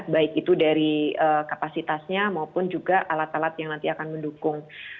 baik itu dari kapasitasnya maupun juga alat alat yang nanti akan mendukung